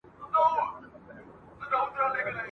لېوه خره ته کړلې سپیني خپلي داړي ..